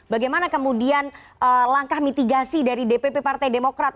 bagaimana kemudian langkah mitigasi dari dpp partai demokrat